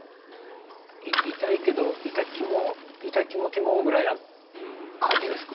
痛いけど痛きも痛きもきもぐらいな感じですか？